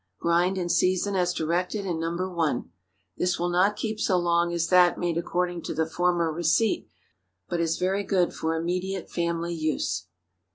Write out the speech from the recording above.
Grind and season as directed in No. 1. This will not keep so long as that made according to the former receipt, but is very good for immediate family use.